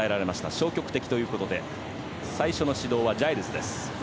消極的ということで最初の指導はジャイルズです。